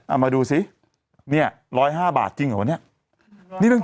เป็นการกระตุ้นการไหลเวียนของเลือด